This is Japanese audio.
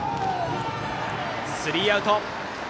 スリーアウト。